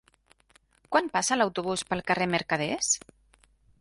Quan passa l'autobús pel carrer Mercaders?